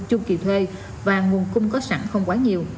chung kỳ thuê và nguồn cung có sẵn không quá nhiều